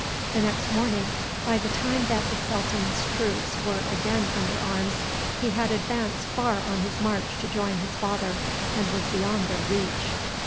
The next morning, by the time that the sultan's troops were again under arms, he had advanced far on his march to join his father, and was beyond their reach.